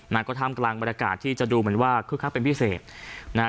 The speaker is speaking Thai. นั่นก็ท่ามกลางบรรยากาศที่จะดูเหมือนว่าคึกคักเป็นพิเศษนะฮะ